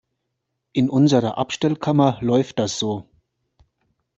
In unserer Abstellkammer läuft das so.